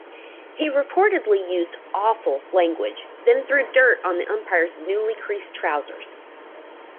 He reportedly used "awful" language, then threw dirt on the Umpire's "newly creased trousers.